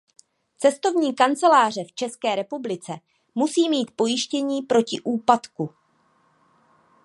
Cestovní kanceláře v České republice musí mít pojištění proti úpadku.